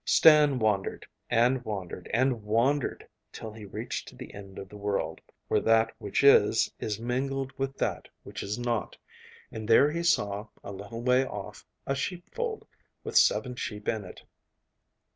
Stan wandered, and wandered, and wandered, till he reached to the end of the world, where that which is, is mingled with that which is not, and there he saw, a little way off, a sheepfold, with seven sheep in it.